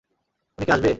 উনি কি আসবে?